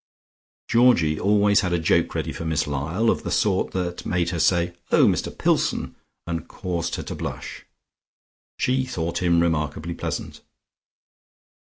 Georgie always had a joke ready for Miss Lyall, of the sort that made her say, "Oh, Mr Pillson!" and caused her to blush. She thought him remarkably pleasant.